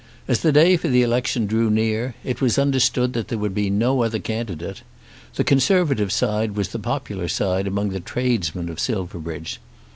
As the day for the election drew near it was understood that there would be no other candidate. The Conservative side was the popular side among the tradesmen of Silverbridge.